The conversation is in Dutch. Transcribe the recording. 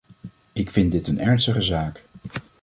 Ik vind dit een ernstige zaak.